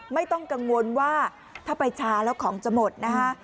ไม่ต้องกังวลว่าถ้าไปช้าแล้วของจะหมดนะคะ